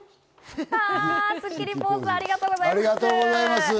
スッキリポーズ、ありがとうございます。